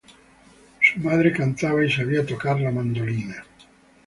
Su madre cantaba y sabia tocar la mandolina.